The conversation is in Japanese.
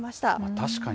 確かに。